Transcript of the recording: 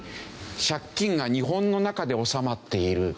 借金が日本の中で収まっている。